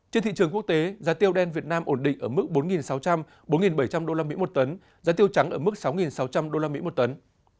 trên thị trường quốc tế giá tiêu đen việt nam ổn định ở mức bốn sáu trăm linh bốn bảy trăm linh usd một tấn giá tiêu trắng ở mức sáu sáu trăm linh usd một tấn